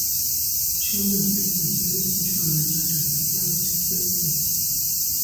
She made it in a very special way that I have never tasted since.